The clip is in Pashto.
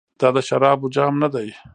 دا د شرابو جام ندی.